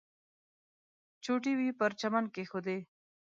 چوټې یې پر چمن کېښودې.